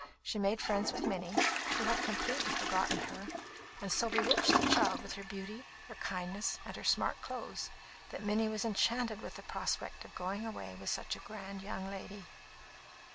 She made friends with Minnie, who had completely forgotten her, and so bewitched the child with her beauty, her kindness, and her smart clothes that Minnie was enchanted with the prospect of going away with such a grand young lady.